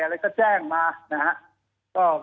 อะไรก็แจ้งมานะครับ